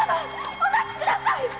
お待ちください！